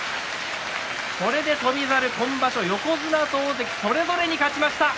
これで翔猿、今場所横綱と大関、それぞれに勝ちました。